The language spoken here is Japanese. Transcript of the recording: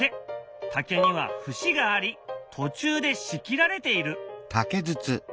竹には節があり途中で仕切られている。